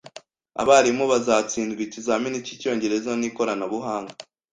Abarimu bazatsindwa ikizamini cy’Icyongereza n ikoranabuhanga